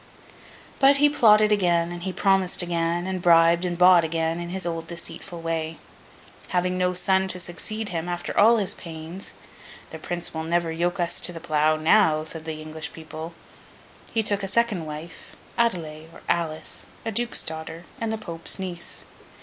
But he plotted again, and promised again, and bribed and bought again, in his old deceitful way. Having no son to succeed him, after all his pains ('The Prince will never yoke us to the plough, now!' said the English people), he took a second wife—Adelais or Alice, a duke's daughter, and the Pope's niece.